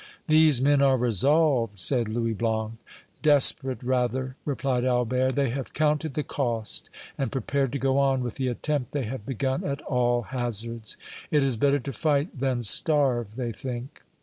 "These men are resolved," said Louis Blanc. "Desperate, rather," replied Albert. "They have counted the cost and prepared to go on with the attempt they have begun at all hazards. It is better to fight than starve, they think."